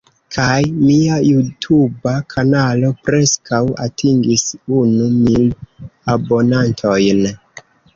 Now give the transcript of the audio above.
Kaj mia Jutuba kanalo preskaŭ atingis unu mil abonantojn.